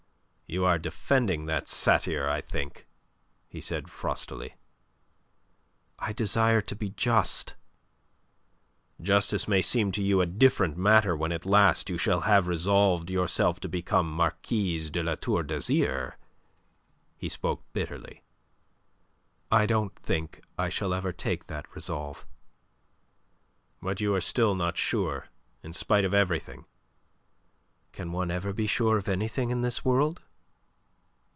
"You are defending that satyr, I think," he said frostily. "I desire to be just." "Justice may seem to you a different matter when at last you shall have resolved yourself to become Marquise de La Tour d'Azyr." He spoke bitterly. "I don't think that I shall ever take that resolve." "But you are still not sure in spite of everything." "Can one ever be sure of anything in this world?"